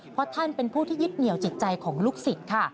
เพราะท่านเป็นผู้ที่ยึดเหนียวจิตใจของลูกศิษย์ค่ะ